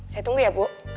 saya tunggu ya bu